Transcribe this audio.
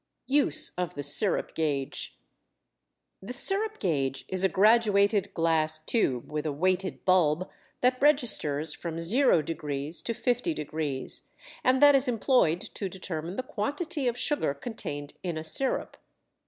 USE OF THE SIRUP GAUGE. The sirup gauge is a graduated glass tube, with a weighted bulb, that registers from 0° to 50°, and that is employed to determine the quantity of sugar contained in a sirup.